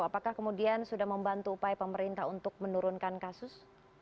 apakah kemudian sudah membantu upaya pemerintah untuk menurunkan kasus